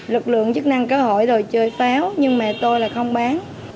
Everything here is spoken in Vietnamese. lực lượng chức năng cơ hội rồi chơi pháo nhưng mà tôi là không bán